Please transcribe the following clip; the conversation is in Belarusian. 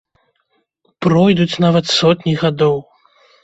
Пройдуць нават сотні гадоў.